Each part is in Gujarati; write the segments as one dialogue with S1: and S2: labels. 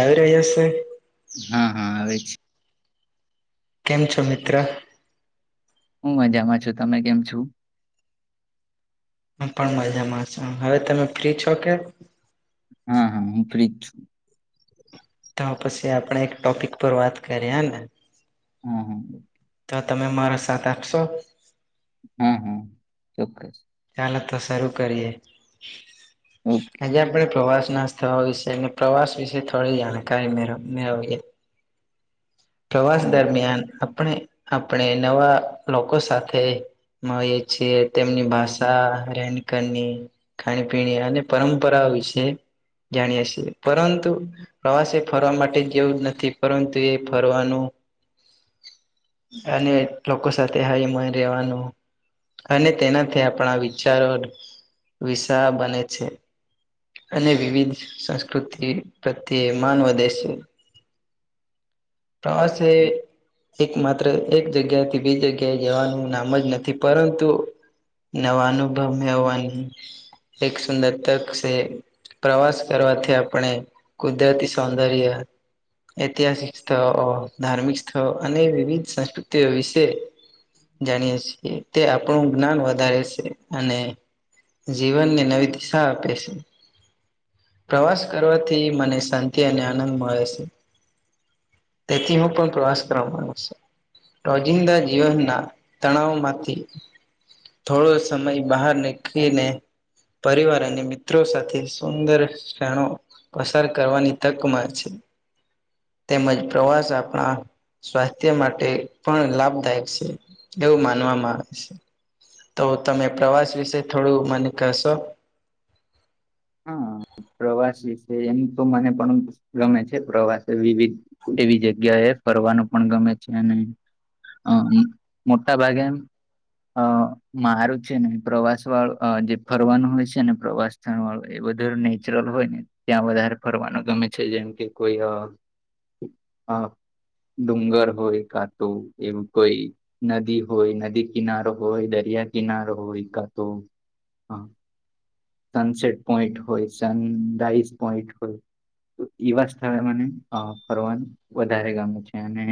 S1: એવરેજ હશે.
S2: હા-હા આવે જ.
S1: કેમ છો મિત્ર?
S2: હું મજામાં છું. તમે કેમ છું?
S1: હ પણ મજામાં છું. હવે તમે ફ્રી છો કે.
S2: હા-હા હું ફ્રીજ છું.
S1: તો પછી આપણે એક ટોપિક પર વાત કરીએ હને.
S2: હા-હા.
S1: તો તમે મારો સાથ આપશો.
S2: હા-હા ચોક્કસ.
S1: ચાલો તો શરૂ કરીએ.
S2: ઓ
S1: આજે આપણે પ્રવાસના સ્થળો વિશે ને પ્રવાસ વિશે થોડી જાણકારી મેળ મેળવીએ. [inaudible] પ્રવાસ
S2: હા
S1: દરમિયાન આપણે આપણે નવા લોકો સાથે મળીયે છીએ તેમની ભાષા ભાસા, રહેણી કરણી, ખાણી પીણી અને પરંપરાઓ વિશે જાણીયે છે પરંતુ પ્રવાસ એ ફરવા માટે જેવું જ નથી પરંતુ એ ફરવાનું અને લોકો સાથે હળીમળીને રેવાનું અને તેનાથી આપ આપણા વિચારો વિશાળ બને છે. અને વિવિધ સંસ્કૃતિ પ્રત્યે માન વધે છે. ત એક માત્ર એક જગ્યા થી બી જગ્યાએ જવાનું નામ જ નથી, પરંતુ નવા અનુભવ મેળવવાની એક સુંદર તક છે. પ્રવાસ કરવાથી આપણે કુદરતી સૌંદર્ય, ઐતિહાસિક સ્થળો, ધાર્મિક સ્થળ અને વિવિધ સંસ્કૃતિઓ વિશે જાણીએ છીએ તે આપણું જ્ઞાન વધારે છે અને જીવનને નવી દિશા આપે છે. પ્રવાસ કરવાથી મને શાંતિ અને આનંદ મળે છે. તેથી હું પણ પ્રવાસ કરવા માગું છું. રોજિંદા જીવનના તણાવ માંથી થોડો સમય બહાર નીકળીને. પરિવાર અને મિત્રો સાથે સુંદર ક્ષણો પસાર કરવાની તકમાં છે. તેમજ પ્રવાસ આપણા સ્વાસ્થ્ય માટે પણ લાભદાયક છે, એવું માનવામાં આવે છે. તો તમે પ્રવાસ વિશે થોડું મને કહેશો?
S2: હા, પ્રવાસી છે એમ તો મને પણ ગમે છે. પ્રવાસે વિવિધ એવી જગ્યા એ ફરવાનું પણ ગમે છે અને હ, મોટા ભાગે અ મારું છે ને, પ્રવાસ વાળું, જે ફરવાનું હોય છે ને, પ્રવાસ સ્થળ વાળું એ બધું નેચરલ હોય ને, ત્યાં વધારે ફરવાનું ગમે છે, જેમ કે કોઈ હા, ડુંગર હોય, કા તો એવું કંઈ. નદી હોય, નદી કિનારો હોય, દરિયા કિનારો હોય, કા તો. સનસેટ પોઈન્ટ હોય, સનરાઈઝ પોઈન્ટ હોય. એવા સ્થળે મને ફરવાનું વધારે ગમે છે, અને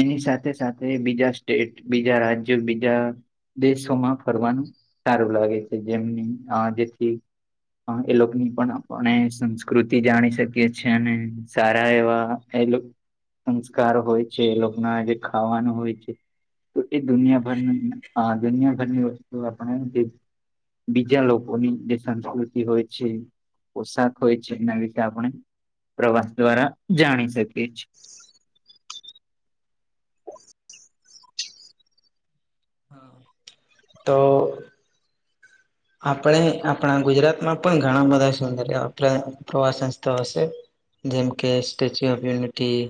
S2: એની સાથે સાથે, બીજા સ્ટેટ, બીજા રાજ્ય, બીજા દેશોમાં ફરવાનું સારું લાગે છે, જેમની જેથી એ લોકોની પણ આપણે સંસ્કૃતિ જાણી શકીએ છીએ, અને સારા એવા એ સંસ્કાર હોય છે, એ લોકો ના આજે ખાવાનું હોય છે. તો એ દુનિયાભરની દુનિયાભરની વસ્તુ આપણે જે બીજા લોકોની જે સંસ્કૃતિ હોય છે, પોશાક હોય છે, એના રીતે આપણે પ્રવાસ દ્વારા જાણી શકીએ છીએ.
S1: તો આપણે આપણા ગુજરાતમાં પણ ઘણા બધા સુંદર પ્રવાસન સ્થળો છે. જેમ કે સ્ટેચ્યુ ઓફ યુનિટી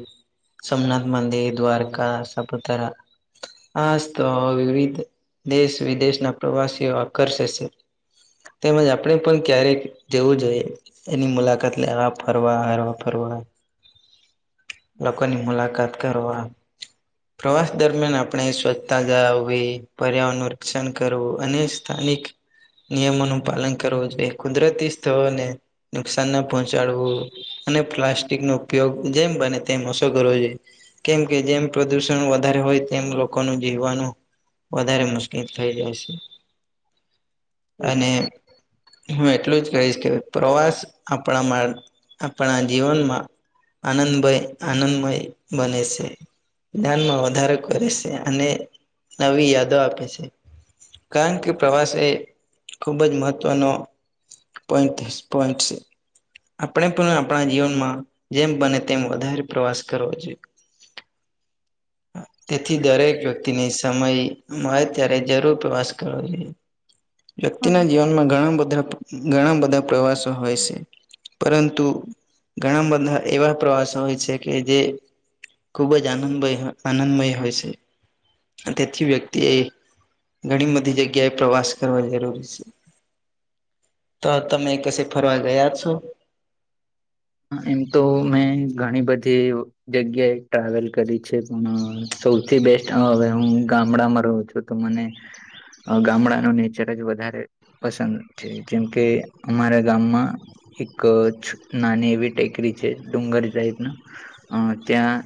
S1: સોમનાથ મંદિ, ર દ્વારકા, સાપુતારા. હા, જ તો વિવિધ દેશ-વિદેશના પ્રવાસીઓ આકર્ષે છે. તેમજ આપણે પણ ક્યારેક જવું જોઈએ. એની મુલાકાત લેવા, ફરવા, હરવા-ફરવા. લોકોની મુલાકાત કરવા. પ્રવાસ દરમિયાન, આપણે સ્વચ્છતા જાળવવી, પર્યાવરણનું રક્ષણ કરવું, અને સ્થાનિક નિયમોનું પાલન કરવું જોઈએ, કુદરતી સ્થળોને. નુકસાન ના પહોંચાડવું, અને પ્લાસ્ટિક નો ઉપયોગ, જેમ બને તેમનું શું કરવું જુએ, કેમ કે, જેમ પ્રદુષણ વધારે હોય, તેમ લોકોનું જીવવાનું. વધારે મુશ્કિલ થઈ જાય છે, અને હું એટલું જ કહીશ કે, પ્રવાસ આપણામાં આપણા જીવનમાં આનંદભાય આનંદમય બને સે. જ્ઞાનમાં વધારો કરે સે, અને નવી યાદો આપે છે. કારણ કે પ્રવાસ એ ખૂબ જ મહત્ત્વનો [unintelligible] આપણે પણ આપણા જીવનમાં જેમ બને તેમ વધારે પ્રવાસ કરવો જુય તેથી દરેક વ્યક્તિની સમય મળે ત્યારે જરૂર પ્રવાસ કરવો જોઈએ. વ્યક્તિના જીવનમાં ઘણાબધા ઘણા બધા પ્રવાસો હોય સે. પરંતુ ઘણા બધા એવા પ્રવાસો હોય છે કે જે ખુબ જ આનંદભય આનંદમય હોય સે તેથી વ્યક્તિ એ ઘણી બધી જગ્યાએ પ્રવાસ કરવા જરૂરી સે તો તમે કશે ફરવા ગયા છો?
S2: એમ તો મેં ઘણી બધી ઓ. જગ્યાએ ટ્રાવેલ કરી છે પણ સૌથી બેસ્ટ હવે હું ગામડામાં રહું છું તો મને ગામડાનું નેચર જ વધારે પસંદ છે જેમકે અમારા ગામમાં એક છો નાની એવી એવી ટેકરી છે ડુંગર ટાઈપના અ ત્યાં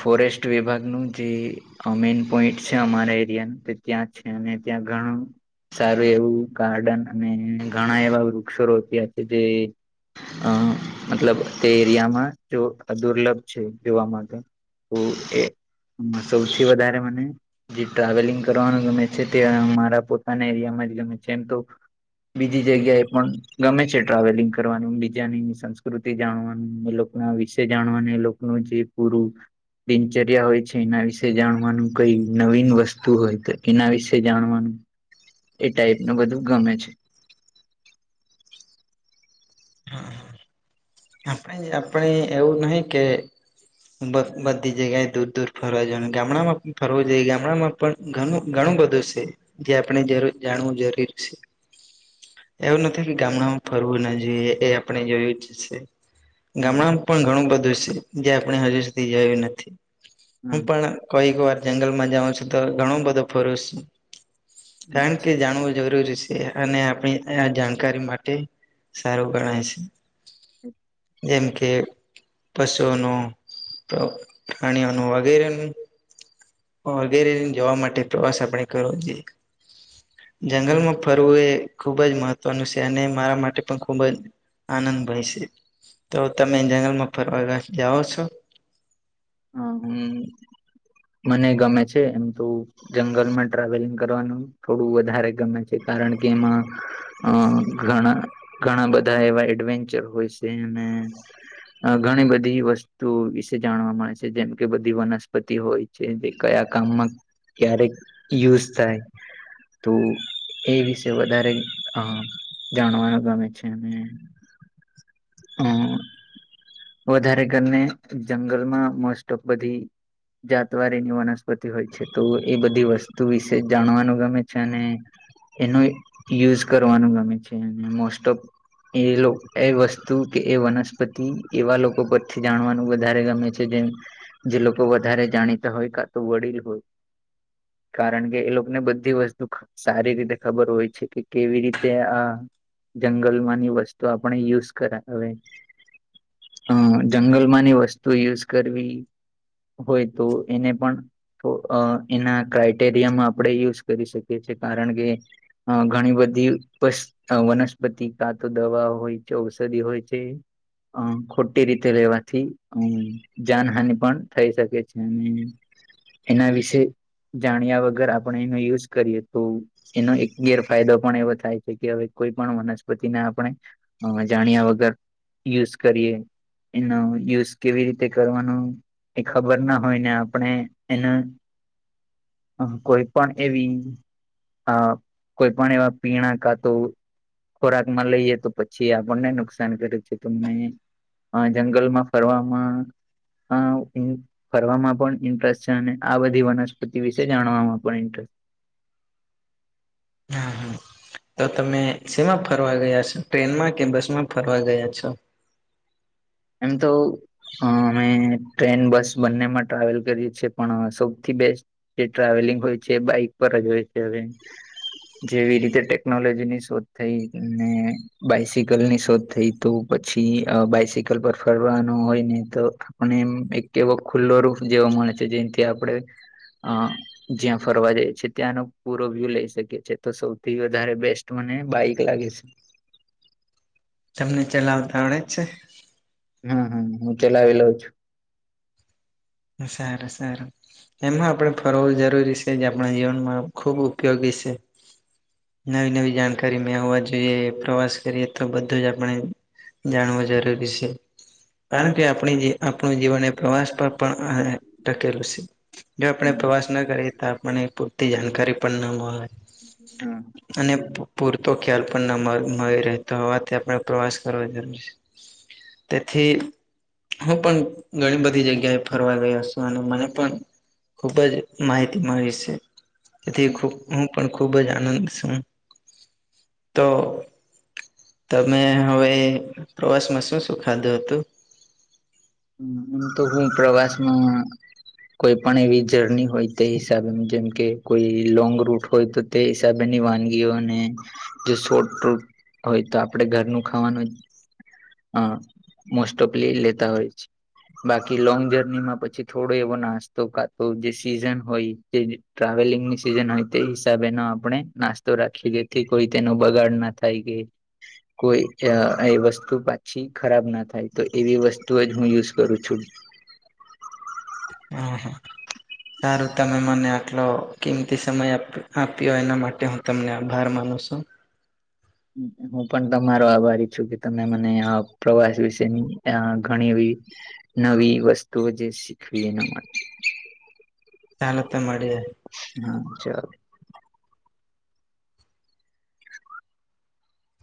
S2: ફોરેસ્ટ વિભાગનું જે આ મેન પોઈન્ટ છે અમારા એરિયાનું ત્યાં છે અને ત્યાં ઘણું સારું એવું ગાર્ડન અને ઘણા એવા વૃક્ષ રોપયા છે જે અ મતલબ તે એરિયામાં જો દુર્લભ છે જોવા માટે તો એ સૌથી વધારે મને જે ટ્રાવેલિંગ કરવાનું ગમે છે તે અમારા પોતાને એરિયામાં જ ગમે છે એમ તો બીજી જગ્યા એ પણ ગમે છે ટ્રાવેલિંગ કરવાનું બિ ત્યાંની સંસ્કૃતિ જાણવાનું એ લોક ના વિષે જાણવાનું એ લોકોનું જે પૂરું દિનચર્યા હોય છે એના વિશે જાણવાનું કઈ નવીન વસ્તુ હોય તે એના વિશે જાણવાનું એ ટાઈપ નુ બધું ગમે છે.
S1: આપણે આપળે એવું નહીં કે બ બધી જગ્યાએ દૂર દૂર ફરવા જાવાનું ગામડામાં પણ ફરવાું જુઈએ, ગામડામાં પણ ઘણું ઘણું બધું સે જે આપણે જરૂર જાણવું જરૂરી સે. એવું નથી ગામડામાં ફરવું ના જોઈએ એ આપણે જોયું જ છે.
S2: હમ
S1: ગામડામાં પણ ઘણું બધું સે જે આપણે હજુ સુધી જોયું નથી, હું
S2: હમ
S1: પણ કોઈક વાર જંગલમાં જાઉ છું તો ઘણું બધું ફરું સુ કરણ કે જાણવું જરૂરી સે કે અને આપણી આ જાણકારી માટે સારું ગણાય સે જેમ કે પશુઓનું પ્ર પ્રાણીઓનું વગેરેનું વગેરે જવા માટે પ્રવાસ આપણે કરવો જોઈએ. જંગલમાં ફરવું એ ખૂબ જ મહત્વનું સે અને મારા માટે પણ ખૂબ જ આનંદભાય સે, તો તમે જંગલમાં ફરવા જાઓ છો?
S2: હા હમ્મ મને ગમે છે એમ તો જંગલમાં ટ્રાવેલિંગ કરવાનું થોડું વધારે ગમે છે કારણ કે એમાં અ ઘણા ઘણા બધા એવા એડવેન્ચર હોય સે અને અ ઘણી બધી વસ્તુ વિશે જાણવા મળે છે જેમ કે બધી વનસ્પતિ હોય છે જે કયા કામમાં ક્યારેક યુઝ થાય તો એ વિશે વધારે અ જાણવા ગમે છે અને અ વધારે કરીને જંગલમાં મો બધી જાતવારીની વનસ્પતિ હોય છે તો એ બધી વસ્તુ વિશે જાણવાનું ગમે છે અને એનો યુઝ કરવાનું ગમે છે અને મોસ્ટ ઓફ એ એ વસ્તુ કે એ વનસ્પતિ એવા લોકો પરથી જાણવાનું વધારે ગમે છે જેમ જે લોકો વધારે જાણીતા હોય કા તો વડીલ હોય કારણ કે એ લોકો ને બધી વસ્તુ સારી રીતે ખબર હોય છે, કે કેવી રીતે આ જંગલમાંની વસ્તુ આપણે યુઝ કરાવે, હ જંગલ માંની વસ્તુ યુઝ કરવી હોય તો એને પણ, તો એના ક્રાઈટેરિયામાં આપણે યુઝ કરી શકીએ છીએ. કારણ કે અ ઘણી બધી વસ વનસ્પતિ કા તો દવા હોય છે. ઔષધિ હોય છે. અમ ખોટી રીતે લેવાથી, અ જાનહાની પણ થઈ શકે છે. અને એના વિશે જાણ્યા વગર આપણે એનો યુઝ કરીએ તો-' એનો એક ગેરફાયદો પણ એવો થાય છે કે, હવે કોઈ પણ વનસ્પતિને આપણે અ જાણ્યા વગર યુઝ કરીએ. એનો યુઝ કેવી રીતે કરવાનો? એ ખબર ના હોય ને આપણે એના કોઈ પણ એવી અ કોઈ પણ એવા પીણા કા તો ખોરાક માં લઈએ તો પછી આપણને નુકસાન કરે છે. તમને હ જંગલમાં ફરવામાં અ ફરવામાં પણ ઇન્ટરેસ્ટ છે. અને આ બધી વનસ્પતિ વિશે જાણવામાં પણ ઇન્ટરેસ્ટ છે.
S1: હા હા તો તમે શેમાં ફરવા ગયા છો? ટ્રેનમાં કે બસમાં ફરવા ગયા છો?
S2: એમ તો અ અમે ટ્રેન બસ બંનેમાં ટ્રાવેલ કરીએ છીએ, પણ સૌથી બેસ્ટ જે ટ્રાવેલિંગ હોય છે. બાઈક પર જ હોય છે. હવે જેવી રીતે ટેકનોલોજી ની શોધ થઈ ને બાાયસિકલ ની શોધ થઈ તો પછી બાાયસિક પર ફરવાનો હોયને તો મને એમ એક એવો ખુલ્લો રૂમ જેવો મળે છે. જેથી આપણે હ જ્યાં ફરવા જાય છે ત્યાંનો પૂરો વ્યૂ લઇ શકીએ છે તો સૌથી વધારે બેસ્ટ મને બાઈક લાગે છે.
S1: તમને ચલાવતા આવડે છે?
S2: હમ હમ હું ચલાવી લઉ છું.
S1: સારુ સારુ એમાં આપણે ફરવું જરૂરી છે. જે આપણા જીવનમાં ખૂબ ઉપયોગી છે. નવી નવી જાણકારી મે હોવા જોઈએ પ્રવાસ કરીએ તો બધું જ આપણે જાણવો જરૂરી છે કારણ કે, આપણી જે આપણું જીવન એ પ્રવાસપ ટકેલું છે. જો આપણે
S2: હા
S1: પ્રવાસ ના કરીએ તો આપણે પો તે જાણકારી પણ ન મળે.
S2: હા
S1: અને પુ પૂરતો ખ્યાલ પણ ના મ મળી રહેતો હોવાથી આપણે પ્રવાસ કરવા જરૂરી છે તેથી હું પણ ઘણી બધી જગ્યાએ ફરવા ગયો છુ અને મને પણ ખુબ જ માહિતી મળી છે. તેથી ખબ હું પણ ખુબ જ આનંદ છું. તો તમે હવે પ્રવાસમાં શું શું ખાધું હતું?
S2: એમ તો હું પ્રવાસમાં કોઈ પણ એવી જર્ની હોય તે હિસાબે જેમ કે કોઈ લોંગ રૂટ હોય તો તે હિસાબેની વાનગીઓને જો શોર્ટ રુટ હોય તો આપણે ઘરનું ખાવાનું. હ મોસ્ટ ઓફલી લેતા હોય છે. બાકી લોંગ જર્નીમાં પછી થોડો એવો નાસ્તો કાતો જે સીઝન હોય. તે ટ્રાવેલિંગની સિઝન હોય તે હિસાબે ન આપણે નાસ્તો રાખી દે કોઈ તેનો બગાડ ના. થઈ ગઈ. કોઈ અહ એ વસ્તુ પાછી ખરાબ ના થાય તો એવી વસ્તુ જ હું યુઝ કરું છું.
S1: હા, હા. સારું તમે મને આટલો કિંમતી સમય આપ આપ્યો એના માટે હું તમને આભાર માનું સું.
S2: હું પણ તમારો આભારી છું કે તમે મને આ પ્રવાસ વિશેની અહ ઘણી એવી નવી વસ્તુઓ જે શીખવી એને માટે.
S1: ચાલો તો મળીએ.
S2: હા ચાલો.